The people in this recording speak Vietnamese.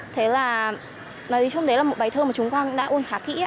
thế là nói chung đấy là một bài thơ mà chúng con đã uôn khá thỉ